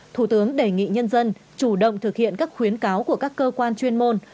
một mươi bốn thủ tướng đề nghị nhân dân chủ động thực hiện các khuyến cáo của các cơ quan chuyên môn